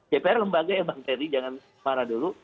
dpr lembaga ya bang terry jangan marah dulu